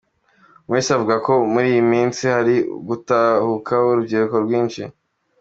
Umulisa avuga ko muri iyi minsi hari gutahuka urubyiruko rwinshi.